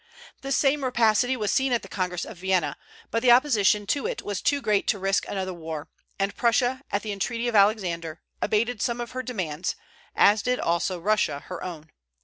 This same rapacity was seen at the Congress of Vienna; but the opposition to it was too great to risk another war, and Prussia, at the entreaty of Alexander, abated some of her demands, as did also Russia her own.